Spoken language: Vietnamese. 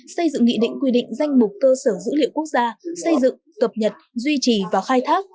xây dựng nghị định quy định danh mục cơ sở dữ liệu quốc gia xây dựng cập nhật duy trì và khai thác